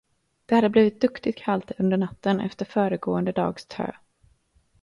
Det hade blivit duktigt kallt under natten, efter föregående dags tö.